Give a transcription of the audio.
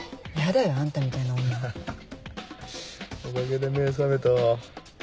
おかげで目覚めたわ。